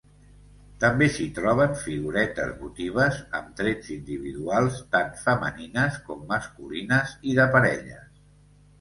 També s'hi troben figuretes votives amb trets individuals, tant femenines com masculines i de parelles.